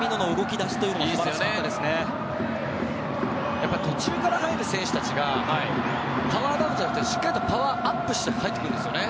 やっぱり途中から入る選手たちがパワーダウンじゃなくてしっかりパワーアップして入ってくるんですよね。